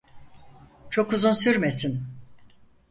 Çok uzun sürmesin.